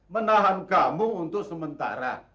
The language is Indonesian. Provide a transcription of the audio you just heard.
menahan kamu untuk sementara